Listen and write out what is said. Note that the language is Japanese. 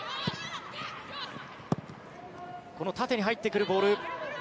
この縦に入ってくるボール。